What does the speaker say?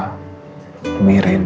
aku gak akan pergi kemana mana mas